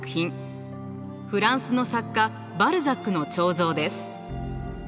フランスの作家バルザックの彫像です。